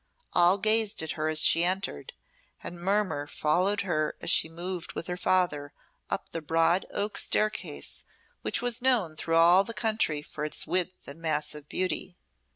All gazed at her as she entered, and a murmur followed her as she moved with her father up the broad oak staircase which was known through all the country for its width and massive beauty.